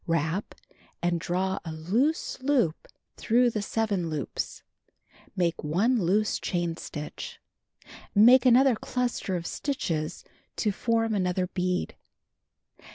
Wrap, and draw a loose loop through the seven loops. Make 1 loose chain stitch. Make another cluster of stitches to form another bead.